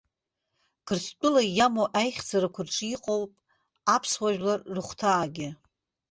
Қырҭтәыла иамоу аихьӡарақәа рҿы иҟоуп аԥсуа жәлар рыхәҭаагьы.